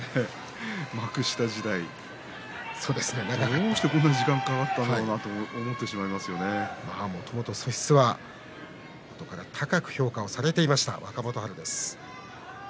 どうしてこんなに時間がかかったのかともともと素質は昔から高く評価されていた若元春です。